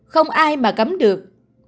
không ai mà cấm được